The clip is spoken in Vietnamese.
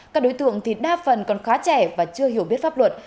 các đối tượng thì đa phần còn khá trẻ và chưa hiểu biết pháp luật